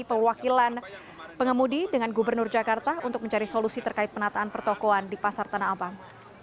perwakilan pengemudi dengan gubernur jakarta untuk mencari solusi terkait penataan pertokohan di pasar tanah abang